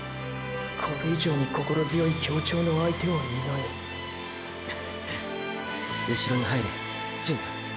これ以上に心強い協調の相手はいないうしろに入れ純太！！